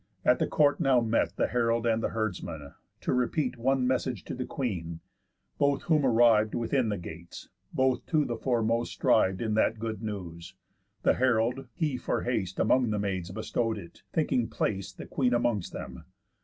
At the court now met The herald and the herdsman, to repeat One message to the queen. Both whom arriv'd Within the gates; both to be foremost striv'd In that good news. The herald, he for haste Amongst the maids bestow'd it, thinking plac'd The queen amongst them.